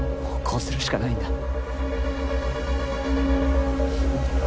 もうこうするしかないんだ。